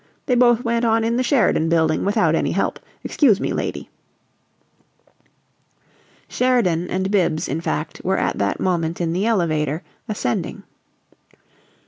They both went on in the Sheridan Building without any help. Excuse me, lady." Sheridan and Bibbs, in fact, were at that moment in the elevator, ascending.